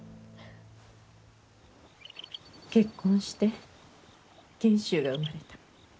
結婚して賢秀が生まれた。